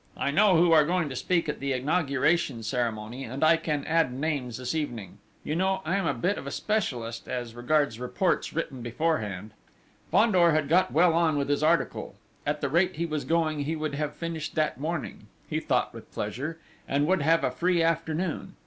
I know who are going to speak at the inauguration ceremony, and I can add names this evening! You know I am a bit of a specialist as regards reports written beforehand!" Fandor had got well on with his article: at the rate he was going he would have finished that morning, he thought with pleasure, and would have a free afternoon.